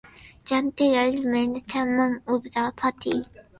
Jan Theiler remaines chairman of the party.